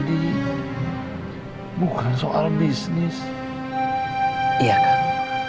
tidak ada yang bisa diberikan